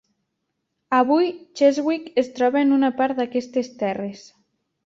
Avui, Cheswick es troba en una part d'aquestes terres.